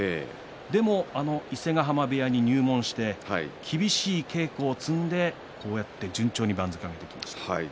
でも伊勢ヶ濱部屋に入門して厳しい稽古を積んでこうやって順調に番付を上げてきました。